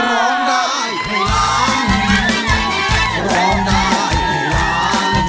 ร้องได้ให้ร้าน